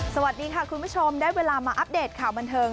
สวัสดีค่ะคุณผู้ชมได้เวลามาอัปเดตข่าวบันเทิง